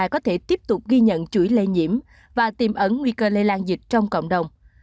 có thể tiếp tục ghi nhận chuỗi lây nhiễm và tìm ấn nguy cơ lây lan dịch trong cộng đồng